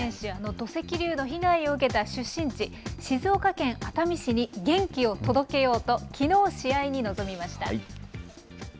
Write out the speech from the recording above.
土石流の被害を受けた出身地、静岡県熱海市に元気を届けようときのう、試合に臨みました。